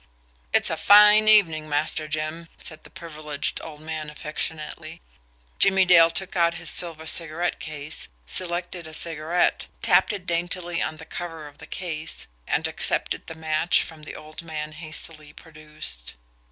"It's a fine evening, Master Jim," said the privileged old man affectionately. Jimmie Dale took out his silver cigarette case, selected a cigarette, tapped it daintily on the cover of the case and accepted the match the old man hastily produced.